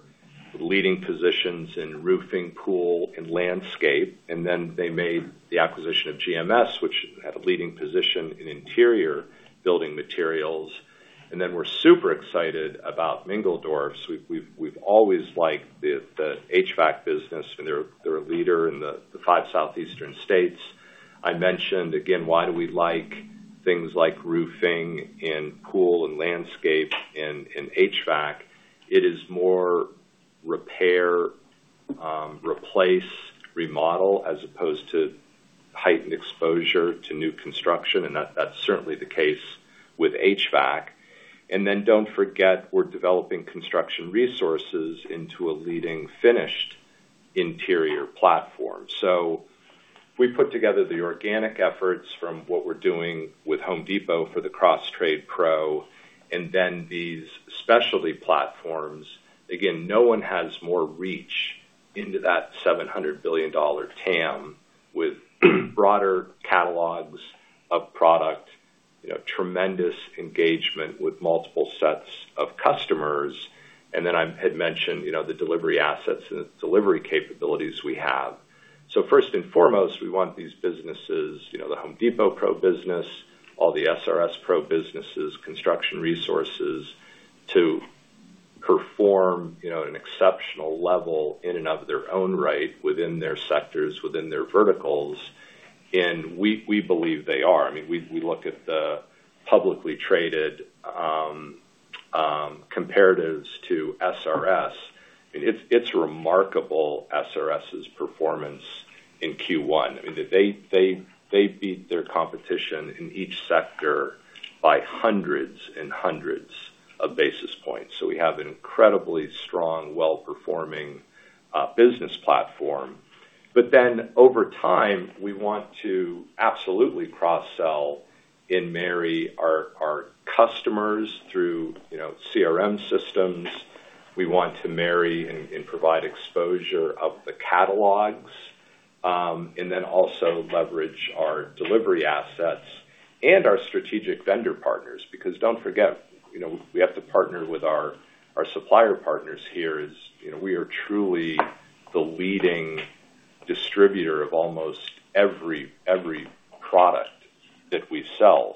leading positions in roofing, pool, and landscape. Then they made the acquisition of GMS, which had a leading position in interior building materials. Then we're super excited about Mingledorff. We've always liked the HVAC business, and they're a leader in the five southeastern states. I mentioned, again, why do we like things like roofing and pool and landscape and HVAC. It is more repair, replace, remodel, as opposed to heightened exposure to new construction, that's certainly the case with HVAC. Don't forget, we're developing Construction Resources into a leading finished interior platform. We put together the organic efforts from what we're doing with The Home Depot for the cross-trade pro these specialty platforms. Again, no one has more reach into that $700 billion TAM with broader catalogs of product, you know, tremendous engagement with multiple sets of customers. I had mentioned, you know, the delivery assets and the delivery capabilities we have. First and foremost, we want these businesses, you know, The Home Depot pro business, all the SRS pro businesses, Construction Resources, to perform, you know, an exceptional level in and of their own right within their sectors, within their verticals, and we believe they are. We look at the publicly traded comparatives to SRS. It's remarkable SRS's performance in Q1. They beat their competition in each sector by hundreds and hundreds of basis points. We have an incredibly strong, well-performing business platform. Over time, we want to absolutely cross-sell and marry our customers through, you know, CRM systems. We want to marry and provide exposure of the catalogs, also leverage our delivery assets and our strategic vendor partners. Don't forget, you know, we have to partner with our supplier partners here as, you know, we are truly the leading distributor of almost every product that we sell.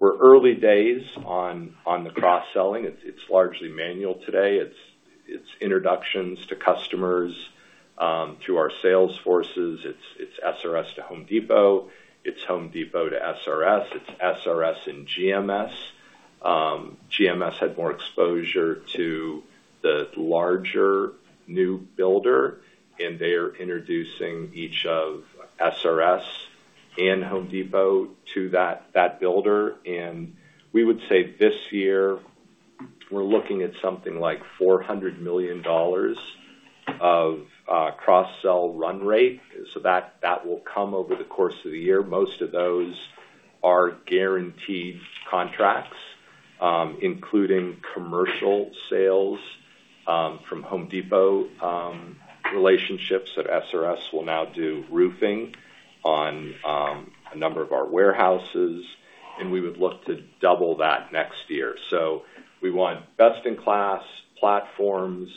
We're early days on the cross-selling. It's largely manual today. It's introductions to customers through our sales forces. It's SRS to The Home Depot. It's The Home Depot to SRS. It's SRS and GMS. GMS had more exposure to the larger new builder, they are introducing each of SRS and The Home Depot to that builder. We would say this year we're looking at something like $400 million of cross-sell run rate. That will come over the course of the year. Most of those are guaranteed contracts, including commercial sales from The Home Depot relationships that SRS will now do roofing on a number of our warehouses, we would look to double that next year. We want best-in-class platforms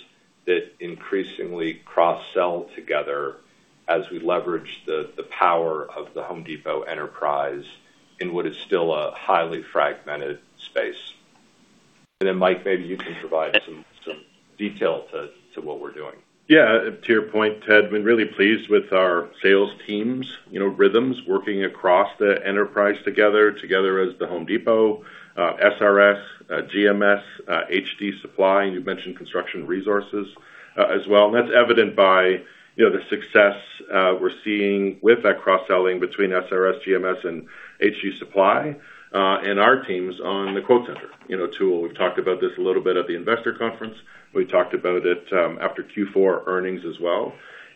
that increasingly cross-sell together as we leverage the power of The Home Depot enterprise in what is still a highly fragmented space. Then, Mike, maybe you can provide some detail to what we're doing. Yeah. To your point, Ted, we're really pleased with our sales teams, you know, rhythms working across the enterprise together as The Home Depot, SRS, GMS, HD Supply, and you've mentioned Construction Resources as well. That's evident by, you know, the success we're seeing with that cross-selling between SRS, GMS, and HD Supply and our teams on the QuoteCenter. You know, tool, we've talked about this a little bit at the investor conference. We talked about it after Q4 earnings as well.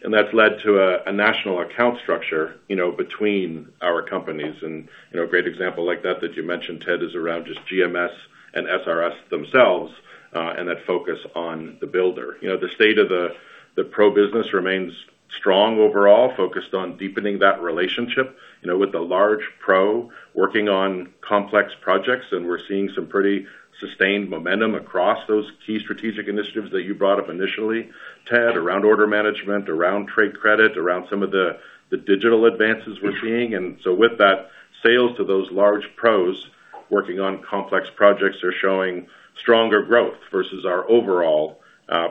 That's led to a national account structure, you know, between our companies and, you know, a great example like that you mentioned, Ted, is around just GMS and SRS themselves and that focus on the builder. You know, the state of the pro business remains strong overall, focused on deepening that relationship, you know, with the large pro working on complex projects. We're seeing some pretty sustained momentum across those key strategic initiatives that you brought up initially, Ted, around order management, around trade credit, around some of the digital advances we're seeing. With that, sales to those large pros working on complex projects are showing stronger growth versus our overall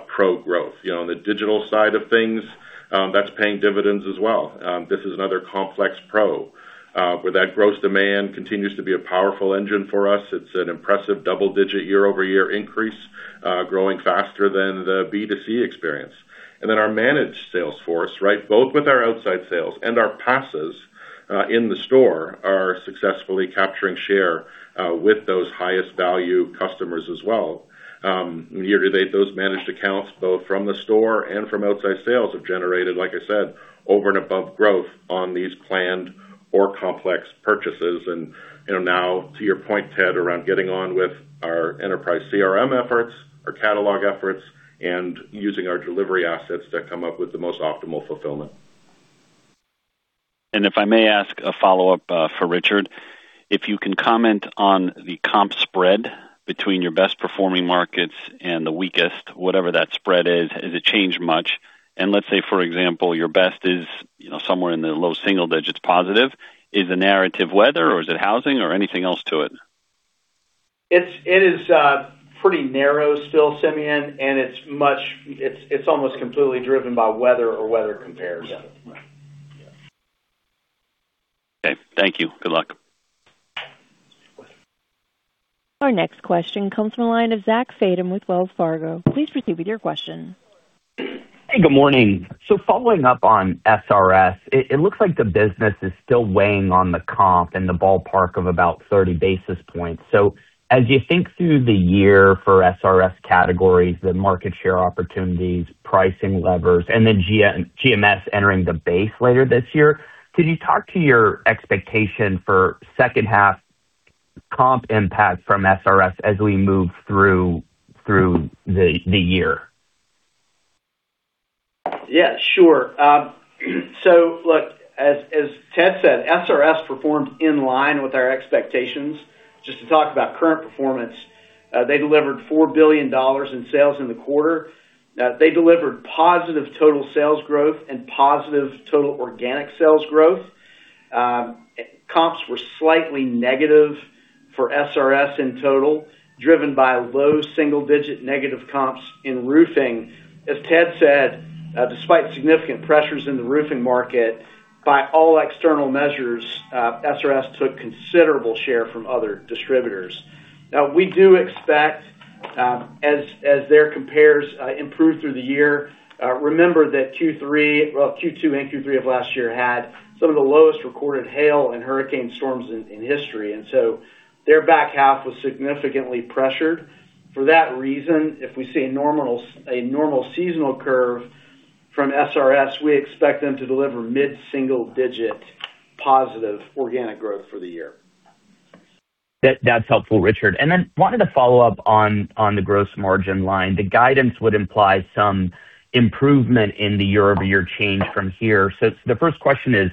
pro growth. You know, on the digital side of things, that's paying dividends as well. This is another complex pro, where that gross demand continues to be a powerful engine for us. It's an impressive double-digit year-over-year increase, growing faster than the B2C experience. Our managed sales force, right? Both with our outside sales and our PASAs, in the store are successfully capturing share with those highest value customers as well. Year to date, those managed accounts, both from the store and from outside sales, have generated, like I said, over and above growth on these planned or complex purchases. You know, now to your point, Ted, around getting on with our enterprise CRM efforts, our catalog efforts, and using our delivery assets to come up with the most optimal fulfillment. If I may ask a follow-up, for Richard, if you can comment on the comp spread between your best performing markets and the weakest, whatever that spread is, has it changed much? Let's say, for example, your best is, you know, somewhere in the low single digits positive. Is the narrative weather or is it housing or anything else to it? It is, pretty narrow still, Simeon, and it's almost completely driven by weather or weather compares. Okay. Thank you. Good luck. Our next question comes from the line of Zachary Fadem with Wells Fargo. Please proceed with your question. Hey, good morning. Following up on SRS, it looks like the business is still weighing on the comp in the ballpark of about 30 basis points. As you think through the year for SRS categories, the market share opportunities, pricing levers, and then GMS entering the base later this year, could you talk to your expectation for second half comp impact from SRS as we move through the year? Yeah, sure. Look, as Ted said, SRS performed in line with our expectations. Just to talk about current performance, they delivered $4 billion in sales in the quarter. They delivered positive total sales growth and positive total organic sales growth. Comps were slightly negative for SRS in total, driven by low single-digit negative comps in roofing. As Ted said, despite significant pressures in the roofing market, by all external measures, SRS took considerable share from other distributors. Now, we do expect, as their compares improve through the year, remember that Q2 and Q3 of last year had some of the lowest recorded hail and hurricane storms in history, their back half was significantly pressured. For that reason, if we see a normal seasonal curve from SRS, we expect them to deliver mid-single digit positive organic growth for the year. That's helpful, Richard. Wanted to follow up on the gross margin line. The guidance would imply some improvement in the year-over-year change from here. The first question is,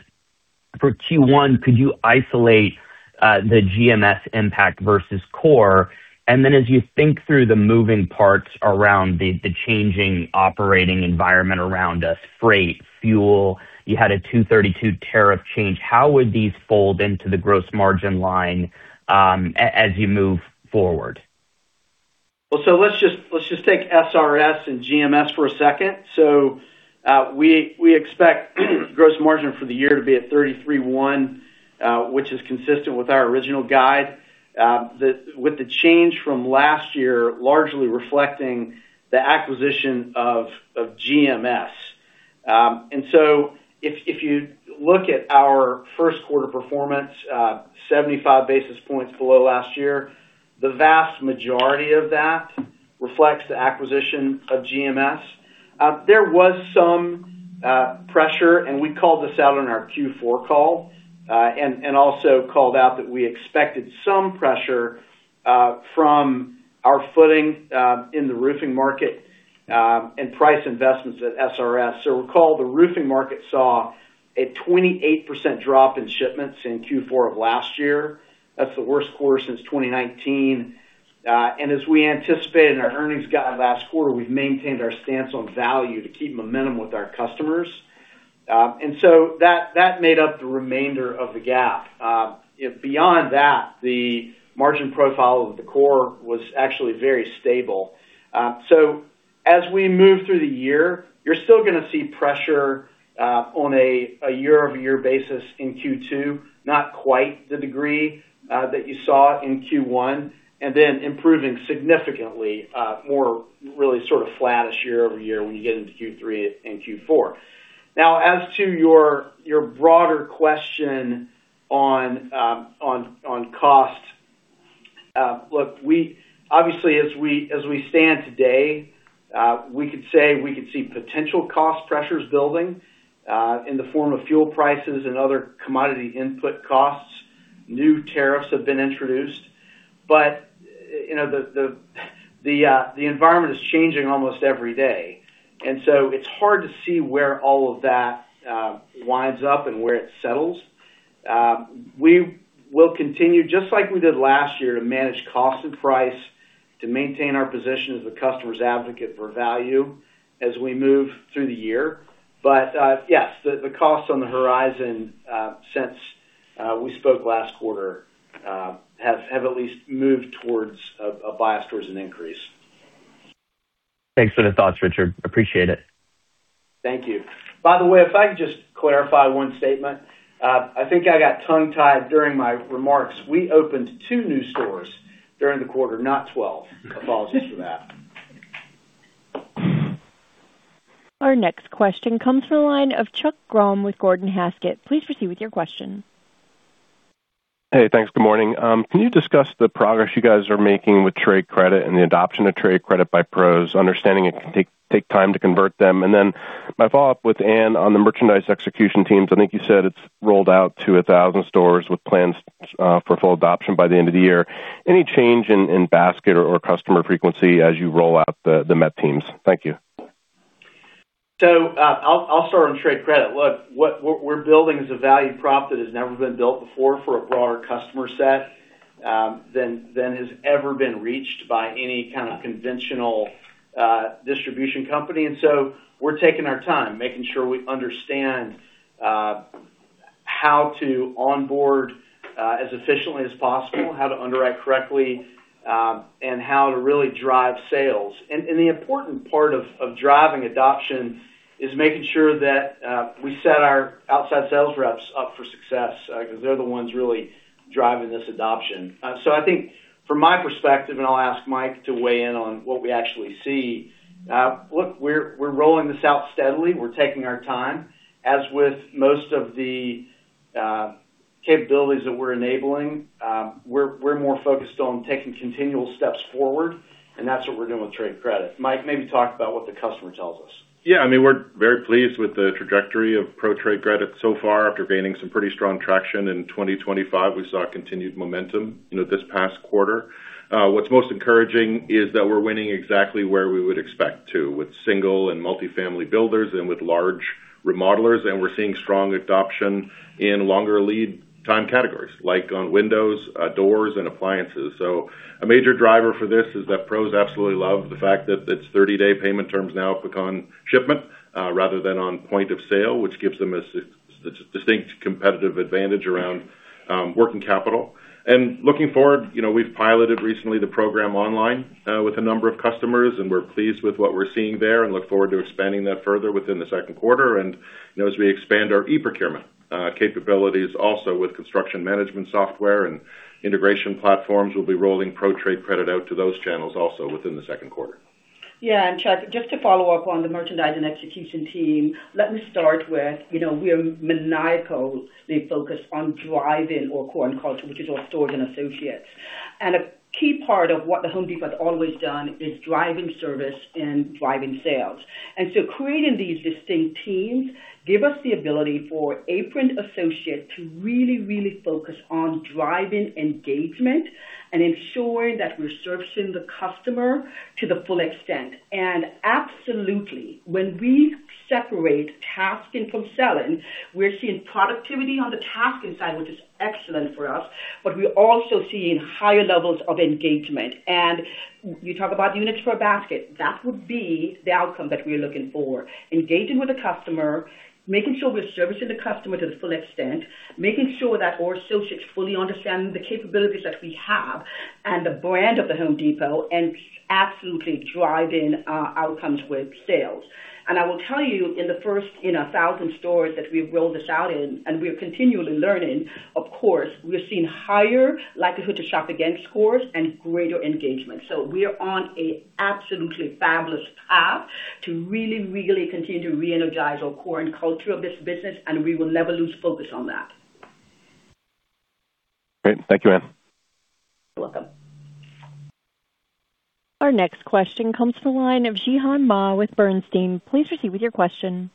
for Q1, could you isolate the GMS impact versus core? As you think through the moving parts around the changing operating environment around us, freight, fuel, you had a Section 232 tariff change. How would these fold into the gross margin line as you move forward? Let's take SRS and GMS for a second. We expect gross margin for the year to be at 33.1, which is consistent with our original guide. The change from last year largely reflecting the acquisition of GMS. If you look at our first quarter performance, 75 basis points below last year, the vast majority of that reflects the acquisition of GMS. There was some pressure, and we called this out on our Q4 call, and also called out that we expected some pressure from our footing in the roofing market, and price investments at SRS. Recall, the roofing market saw a 28% drop in shipments in Q4 of last year. That's the worst quarter since 2019. As we anticipated in our earnings guide last quarter, we've maintained our stance on value to keep momentum with our customers. That made up the remainder of the gap. Beyond that, the margin profile of the core was actually very stable. As we move through the year, you're still gonna see pressure on a year-over-year basis in Q2, not quite the degree that you saw in Q1, and then improving significantly, more really sort of flattish year-over-year when you get into Q3 and Q4. As to your broader question on cost, look, obviously, as we stand today, we could see potential cost pressures building in the form of fuel prices and other commodity input costs. New tariffs have been introduced. You know, the environment is changing almost every day. It's hard to see where all of that winds up and where it settles. We will continue, just like we did last year, to manage cost and price to maintain our position as a customer's advocate for value as we move through the year. Yes, the cost on the horizon, since we spoke last quarter, have at least moved towards a bias towards an increase. Thanks for the thoughts, Richard. Appreciate it. Thank you. By the way, if I could just clarify one statement. I think I got tongue-tied during my remarks. We opened two new stores during the quarter, not 12. Apologies for that. Our next question comes from the line of Chuck Grom with Gordon Haskett. Please proceed with your question. Hey, thanks. Good morning. Can you discuss the progress you guys are making with Pro Trade Credit and the adoption of Pro Trade Credit by pros, understanding it can take time to convert them? My follow-up with Ann-Marie on the merchandise execution teams. I think you said it's rolled out to 1,000 stores with plans for full adoption by the end of the year. Any change in basket or customer frequency as you roll out the MET teams? Thank you. I'll start on trade credit. Look, what we're building is a value prop that has never been built before for a broader customer set than has ever been reached by any kind of conventional distribution company. We're taking our time, making sure we understand how to onboard as efficiently as possible, how to underwrite correctly, and how to really drive sales. The important part of driving adoption is making sure that we set our outside sales reps up for success because they're the ones really driving this adoption. I think from my perspective, and I'll ask Mike to weigh in on what we actually see, look, we're rolling this out steadily. We're taking our time. As with most of the capabilities that we're enabling, we're more focused on taking continual steps forward. That's what we're doing with trade credit. Mike, maybe talk about what the customer tells us. Yeah. I mean, we're very pleased with the trajectory of Pro Trade Credit so far. After gaining some pretty strong traction in 2025, we saw continued momentum, you know, this past quarter. What's most encouraging is that we're winning exactly where we would expect to with single and multifamily builders and with large remodelers. We're seeing strong adoption in longer lead time categories, like on windows, doors, and appliances. A major driver for this is that pros absolutely love the fact that it's 30-day payment terms now click on shipment, rather than on point of sale, which gives them a distinct competitive advantage around working capital. Looking forward, you know, we've piloted recently the program online, with a number of customers, and we're pleased with what we're seeing there and look forward to expanding that further within the second quarter. You know, as we expand our e-procurement capabilities also with construction management software and integration platforms, we'll be rolling Pro Trade Credit out to those channels also within the second quarter. Yeah. Chuck, just to follow up on the merchandise and execution team, let me start with, you know, we are maniacally focused on driving our core and culture, which is our stores and associates. A key part of what The Home Depot has always done is driving service and driving sales. Creating these distinct teams give us the ability for aproned associates to really focus on driving engagement and ensuring that we're servicing the customer to the full extent. Absolutely, when we separate tasking from selling, we're seeing productivity on the tasking side, which is excellent for us, but we're also seeing higher levels of engagement. You talk about units per basket, that would be the outcome that we're looking for. Engaging with the customer, making sure we're servicing the customer to the full extent, making sure that our associates fully understand the capabilities that we have and the brand of The Home Depot, absolutely driving outcomes with sales. I will tell you, in the first, you know, 1,000 stores that we've rolled this out in, and we're continually learning, of course, we're seeing higher likelihood to shop again scores and greater engagement. We are on a absolutely fabulous path to really continue to re-energize our core and culture of this business, and we will never lose focus on that. Great. Thank you, Anne. You're welcome. Our next question comes from the line of Zhihan Ma with Bernstein. Please proceed with your question.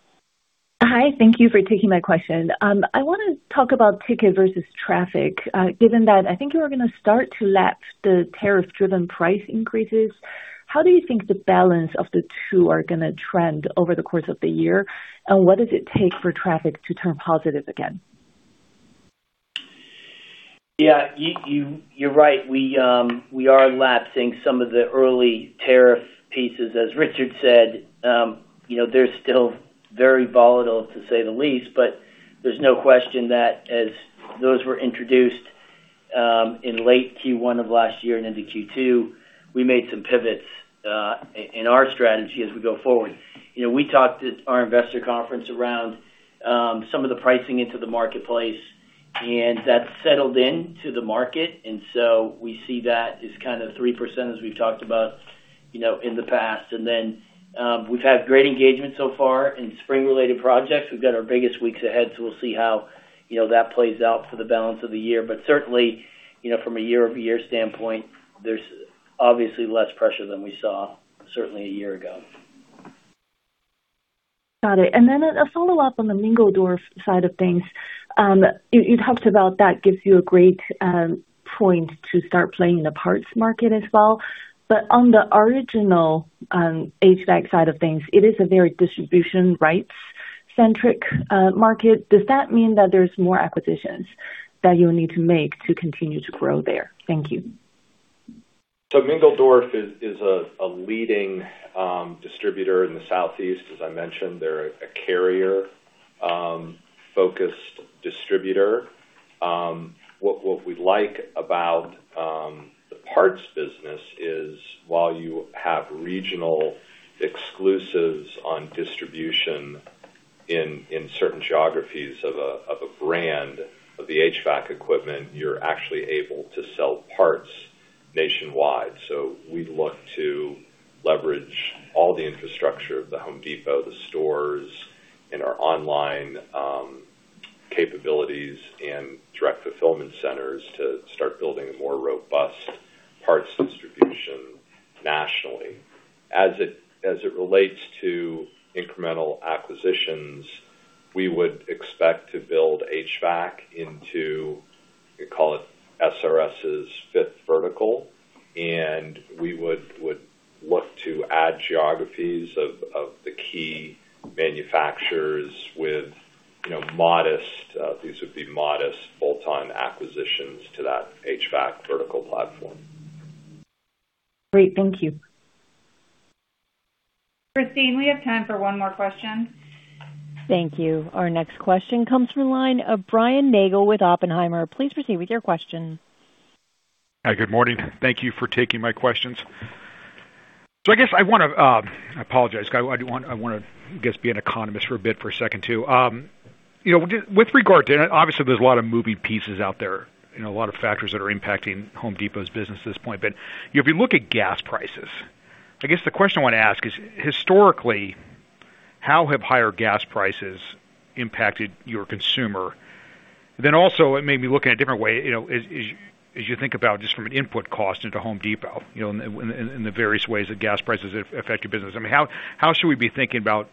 Hi, thank you for taking my question. I wanna talk about ticket versus traffic. Given that I think you are gonna start to lap the tariff-driven price increases, how do you think the balance of the two are gonna trend over the course of the year? What does it take for traffic to turn positive again? You're right. We are lapsing some of the early tariff pieces. As Richard said, you know, they're still very volatile to say the least, but there's no question that as those were introduced in late Q1 of last year and into Q2, we made some pivots in our strategy as we go forward. You know, we talked at our investor conference around some of the pricing into the marketplace, that settled in to the market. We see that as kind of 3% as we've talked about, you know, in the past. We've had great engagement so far in spring-related projects. We've got our biggest weeks ahead, we'll see how, you know, that plays out for the balance of the year. Certainly, you know, from a year-over-year standpoint, there's obviously less pressure than we saw certainly a year ago. Got it. Then a follow-up on the Mingledorff's side of things. You talked about that gives you a great point to start playing in the parts market as well. On the original HVAC side of things, it is a very distribution rights-centric market. Does that mean that there's more acquisitions that you'll need to make to continue to grow there? Thank you. Mingledorff's is a leading distributor in the Southeast. As I mentioned, they're a Carrier focused distributor. What we like about the parts business is while you have regional exclusives on distribution in certain geographies of a brand of the HVAC equipment, you're actually able to sell parts nationwide. We look to leverage all the infrastructure of The Home Depot, the stores, and our online capabilities and direct fulfillment centers to start building a more robust parts distribution nationally. As it relates to incremental acquisitions, we would expect to build HVAC into, we call it SRS's fifth vertical, and we would look to add geographies of the key manufacturers with, you know, modest these would be modest bolt-on acquisitions to that HVAC vertical platform. Great. Thank you. Christine, we have time for one more question. Thank you. Our next question comes from the line of Brian Nagel with Oppenheimer. Please proceed with your question. Hi, good morning. Thank you for taking my questions. I guess I wanna, I apologize, I wanna, I guess, be an economist for a bit for a second too. You know, with regard to, obviously, there's a lot of moving pieces out there, you know, a lot of factors that are impacting The Home Depot's business at this point. If you look at gas prices, I guess the question I wanna ask is, historically, how have higher gas prices impacted your consumer? Also, it made me look at a different way, you know, as you think about just from an input cost into The Home Depot, you know, in, in the various ways that gas prices have affected business. I mean, how should we be thinking about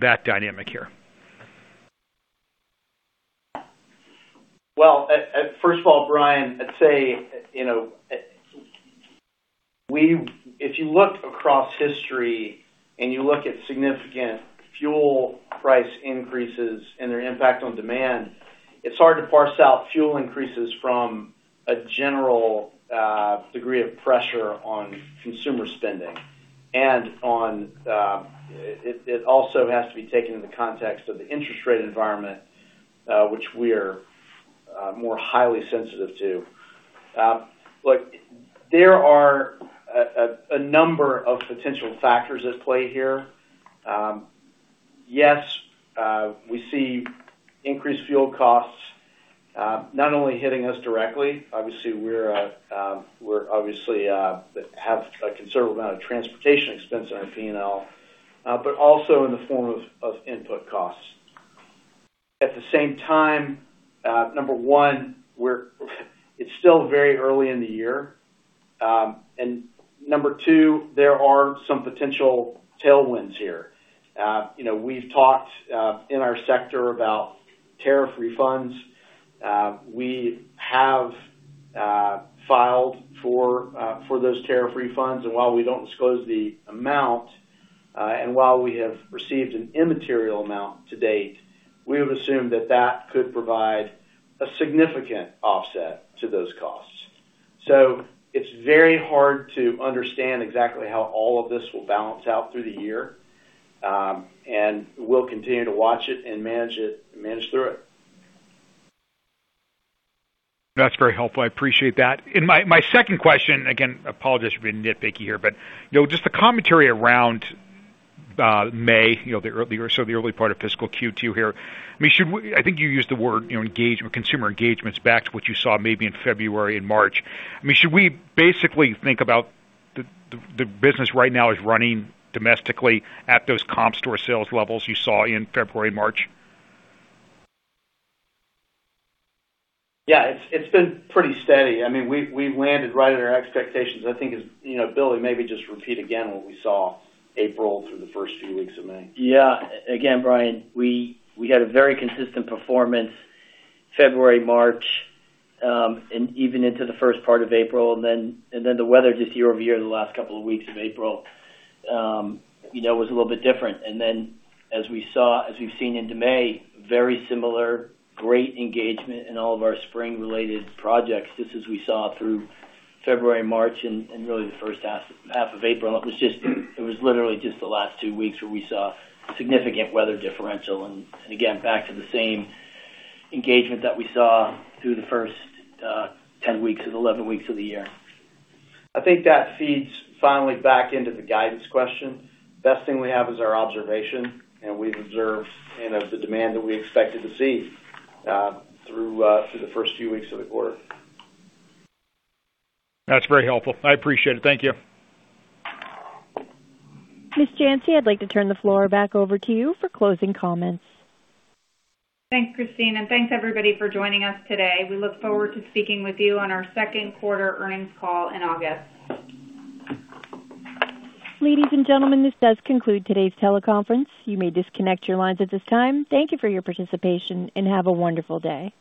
that dynamic here? Well, first of all, Brian, I'd say, you know, if you look across history and you look at significant fuel price increases and their impact on demand, it's hard to parse out fuel increases from a general degree of pressure on consumer spending and on. It also has to be taken in the context of the interest rate environment, which we are more highly sensitive to. Look, there are a number of potential factors at play here. Yes, we see increased fuel costs, not only hitting us directly, obviously we're obviously have a considerable amount of transportation expense in our P&L, but also in the form of input costs. At the same time, number one, it's still very early in the year. Number two, there are some potential tailwinds here. You know, we've talked in our sector about tariff refunds. We have filed for those tariff refunds. While we don't disclose the amount, and while we have received an immaterial amount to date, we have assumed that that could provide a significant offset to those costs. It's very hard to understand exactly how all of this will balance out through the year. We'll continue to watch it and manage through it. That's very helpful. I appreciate that. My, my second question, again, apologize for being nitpicky here, but, you know, just the commentary around May, you know, the early part of fiscal Q2 here. I mean, should we, I think you used the word, you know, engagement, consumer engagements back to what you saw maybe in February and March? I mean, should we basically think about the business right now is running domestically at those comp store sales levels you saw in February, March? Yeah, it's been pretty steady. I mean, we've landed right at our expectations. I think it's, you know, Billy maybe just repeat again what we saw April through the first few weeks of May. Brian, we had a very consistent performance February, March, even into the first part of April. The weather just year-over-year, the last couple of weeks of April, you know, was a little bit different. As we've seen into May, very similar great engagement in all of our spring-related projects, just as we saw through February, March and really the first half of April. It was literally just the last two weeks where we saw significant weather differential and again, back to the same engagement that we saw through the first 10 weeks or the 11 weeks of the year. I think that feeds finally back into the guidance question. Best thing we have is our observation, and we've observed, you know, the demand that we expected to see through the first few weeks of the quarter. That's very helpful. I appreciate it. Thank you. Ms. Janci, I'd like to turn the floor back over to you for closing comments. Thanks, Christine, and thanks everybody for joining us today. We look forward to speaking with you on our second quarter earnings call in August. Ladies and gentlemen, this does conclude today's teleconference. You may disconnect your lines at this time. Thank you for your participation, and have a wonderful day.